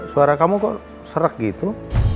suara kamu kok serek gitu